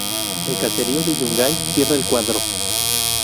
El caserío de Yungay cierra el cuadro.